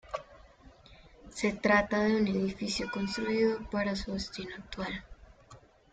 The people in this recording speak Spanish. Se trata de un edificio construido para su destino actual.